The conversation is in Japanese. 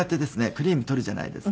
クリーム取るじゃないですか。